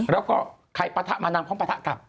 แล้วก็ใครปะทะมานางพร้อมปะทะกลับ